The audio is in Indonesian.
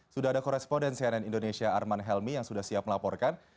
sudah ada koresponden cnn indonesia arman helmi yang sudah siap melaporkan